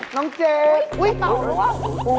น้องเจฟอุ๊ยโอ๊ยถามว่า